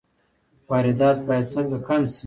واردات باید څنګه کم شي؟